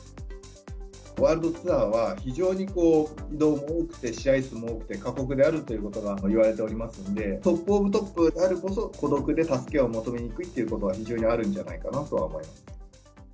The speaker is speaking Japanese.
ワールドツアーは非常にこう、移動も多くて、試合数も多くて過酷であるということがいわれておりますので、トップオブトップであるからこそ、孤独で助けを求めにくいということが非常にあるんじゃないかなとは思います。